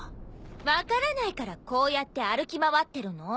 分からないからこうやって歩き回ってるの。